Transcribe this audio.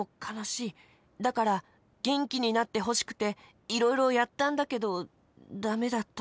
だからげんきになってほしくていろいろやったんだけどダメだった。